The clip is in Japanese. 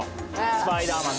スパイダーマンだけに。